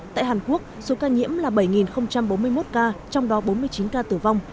tại hàn quốc số ca nhiễm là bảy bốn mươi một ca trong đó bốn mươi chín ca tử vong